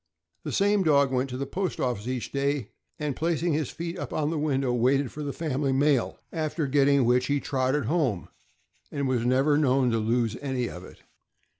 This same dog went to the post office each day, and placing his feet up on the window shelf, waited for the family mail, after getting which he trotted home, and he was never known to lose any of it.